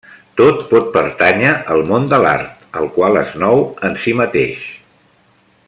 Tot pot pertànyer al món de l'art, el qual és nou en si mateix.